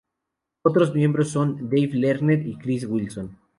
Otros miembros son Dave Lerner y Chris Wilson.